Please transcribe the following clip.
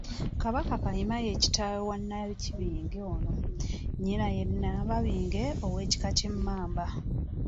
KABAKA Kayima ye kitaawe wa Nnakibinge ono, nnyina ye Nnababinge ow'ekika ky'Emmamba.